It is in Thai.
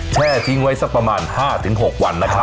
แช่ทิ้งไว้สักประมาณ๕ถึง๖วัน